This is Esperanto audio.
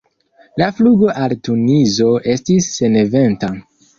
La flugo al Tunizo estis seneventa.